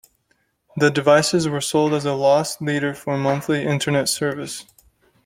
The devices were sold as a loss leader for monthly Internet service.